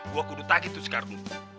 gua kudu tage tuh si kardun